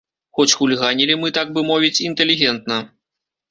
Хоць хуліганілі мы, так бы мовіць, інтэлігентна.